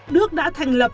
đức đã thành lập